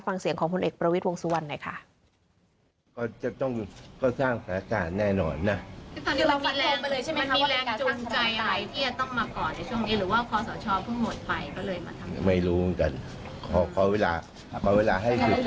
ฟังเสียงของผลเอกประวิทย์วงสุวรรณหน่อยค่ะ